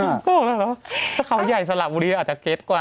ก็เห็นแล้วถ้าเขาใหญ่สลับอันนี้อาจจะเก็ตกว่า